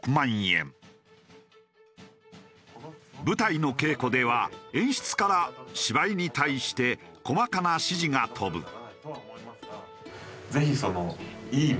舞台の稽古では演出から芝居に対して細かな指示が飛ぶ。